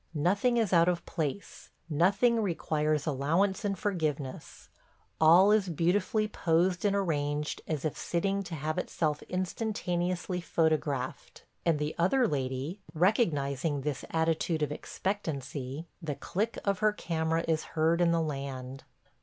Nothing is out of place; nothing requires allowance and forgiveness; ... all is beautifully posed and arranged as if sitting to have itself instantaneously photographed; and the Other Lady, recognizing this attitude of expectancy, the click of her camera is heard in the land.